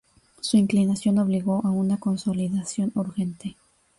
Su inclinación obligó a una consolidación urgente.